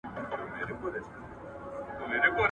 رضا ئې که، ملا ئې ور ماته که.